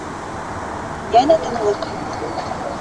Йәнә тынлыҡ.